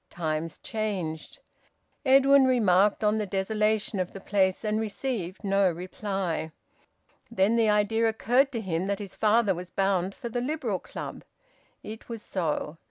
Times changed. Edwin remarked on the desolation of the place and received no reply. Then the idea occurred to him that his father was bound for the Liberal Club. It was so.